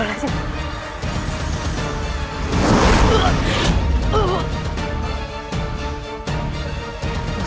augur pada suamiku